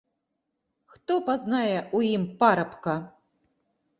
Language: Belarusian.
Хто пазнае ў ім парабка?